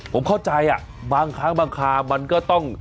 ผมเข้าใจบางครั้งบางครามันก็ต้อง